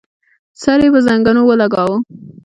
سر يې پر زنګنو ولګاوه.